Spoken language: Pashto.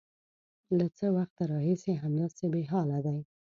_له څه وخته راهيسې همداسې بېحاله دی؟